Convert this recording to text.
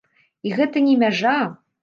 І гэта не мяжа!